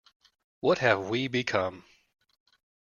What have we become?